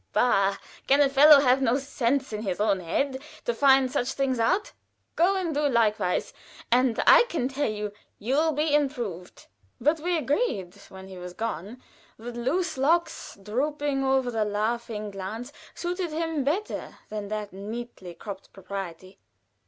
"Bah! Can a fellow have no sense in his own head to find such things out? Go and do likewise, and I can tell you you'll be improved." But we agreed when he was gone that the loose locks, drooping over the laughing glance, suited him better than that neatly cropped propriety.